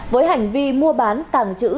với hành vi mua bán tàng chữ